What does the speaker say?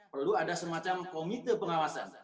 perlu ada semacam komite pengawasan